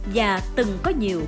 và từng có nhiều nguồn lực